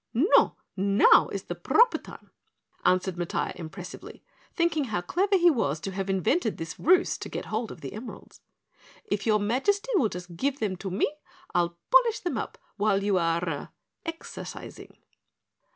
"No, NOW is the proper time," answered Matiah impressively, thinking how clever he was to have invented this ruse to get hold of the emeralds. "If your Majesty will just give them to me, I'll polish them up while you are er exercising."